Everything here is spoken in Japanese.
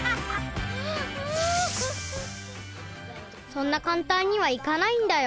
そんなかんたんにはいかないんだよ。